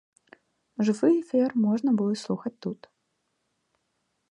Жывы эфір можна будзе слухаць тут.